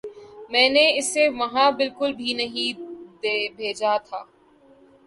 میں نے اسے وہاں بالکل بھی نہیں بھیجا تھا